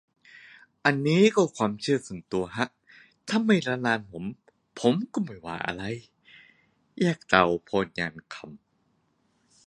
อันนี้ก็ความเชื่อส่วนตัวฮะ ถ้าไม่มาระรานผม ผมก็ไม่ว่าอะไร แยกเตาโพนยางคำ